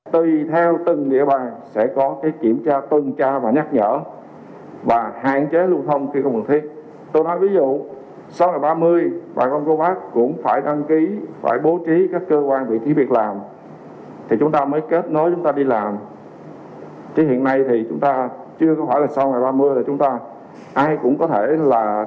chứ không phải là sau ngày ba mươi là chúng ta ai cũng có thể là đi ra đường thì nó không có việc cần thiết